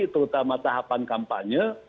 terutama tahapan kampanye